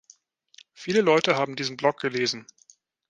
Viele Leute haben diesen Blog gelesen.